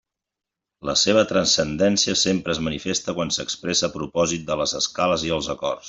La seva transcendència sempre és manifesta quan s'expressa a propòsit de les escales i els acords.